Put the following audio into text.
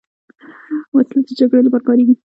وسله د جګړې لپاره کارېږي